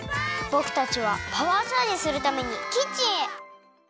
ぼくたちはパワーチャージするためにキッチンへ！